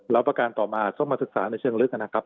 แล้วประการต่อมาต้องมาศึกษาในเชิงลึกนะครับ